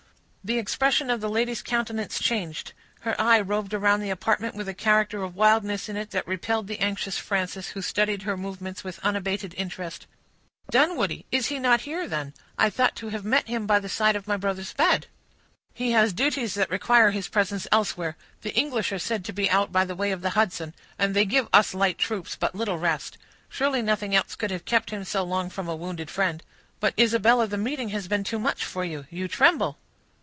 The expression of the lady's countenance changed; her eye roved around the apartment with a character of wildness in it that repelled the anxious Frances, who studied her movements with unabated interest. "Dunwoodie! Is he then not here? I thought to have met him by the side of my brother's bed." "He has duties that require his presence elsewhere; the English are said to be out by the way of the Hudson, and they give us light troops but little rest. Surely nothing else could have kept him so long from a wounded friend. But, Isabella, the meeting has been too much for you; you tremble."